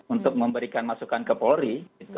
untuk memberikan masukan ke polri